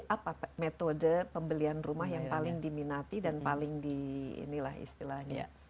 apa metode pembelian rumah yang paling diminati dan paling di inilah istilahnya